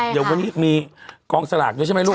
เดี๋ยววันนี้มีกองสลากด้วยใช่ไหมลูก